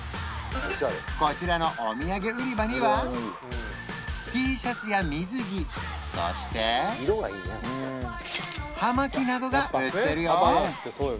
こちらのお土産売り場にはＴシャツや水着そして葉巻などが売ってるよ